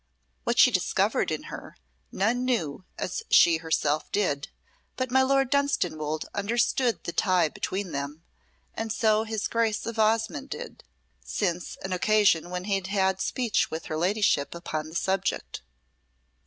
What she discovered in her, none knew as she herself did; but my Lord Dunstanwolde understood the tie between them, and so his Grace of Osmonde did, since an occasion when he had had speech with her ladyship upon the subject.